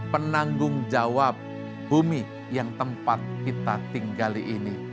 penanggung jawab bumi yang tempat kita tinggal ini